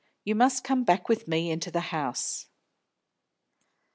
"You must come back with me into the house."